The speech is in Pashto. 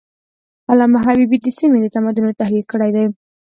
علامه حبيبي د سیمې د تمدنونو تحلیل کړی دی.